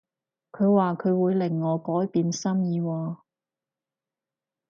佢話佢會令我改變心意喎